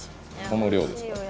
この量ですから。